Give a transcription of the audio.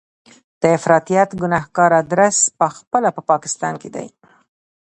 د افراطیت ګنهګار ادرس په خپله په پاکستان کې دی.